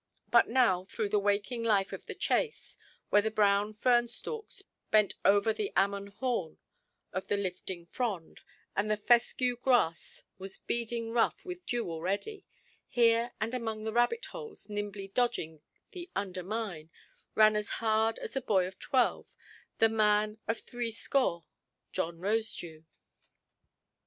But now through the waking life of "the Chase", where the brown fern–stalks bent over the Ammon horn of the lifting frond, and the fescue grass was beading rough with dew already, here and among the rabbit–holes, nimbly dodging the undermine, ran as hard as a boy of twelve, the man of threescore, John Rosedew.